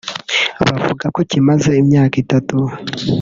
bavuga ko kimaze imyaka itatu